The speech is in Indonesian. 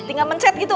tinggal mencet gitu